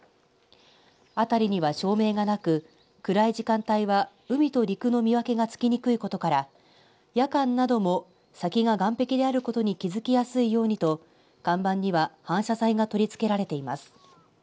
辺りには照明がなく暗い時間帯は海と陸の見分けが付きにくいことから夜間なども先が岸壁であることに気づきやすいようにと看板には反射材が取り付けられています。